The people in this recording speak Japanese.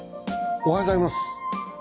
おはようございます。